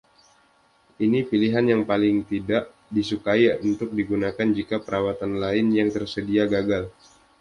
Ini pilihan yang paling tidak disukai untuk digunakan jika perawatan lain yang tersedia gagal.